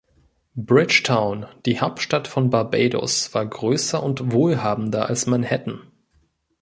Bridgetown, die Hauptstadt von Barbados, war größer und wohlhabender als Manhattan.